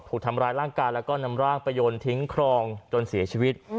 ถูกทำร้ายร่างกายแล้วก็นำร่างไปโยนทิ้งครองจนเสียชีวิต